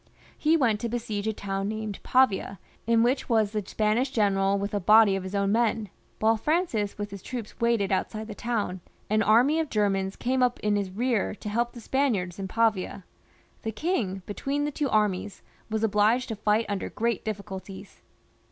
He went to besiege a town named Pavia, in which was the Spanish general with a body of his men ; while Francis with his troops waited outside the town, an army of Germans came up outside him to help the Spaniards in Pavia. The king between the two armies was obliged to fight under great difl&culties.